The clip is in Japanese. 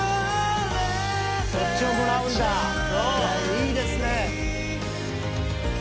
いいですね。